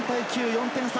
４点差。